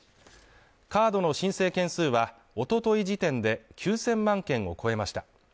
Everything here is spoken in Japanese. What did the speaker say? カードの申請件数は、おととい時点で９０００万件を超えました。